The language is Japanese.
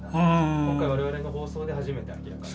今回我々の放送で初めて明らかに。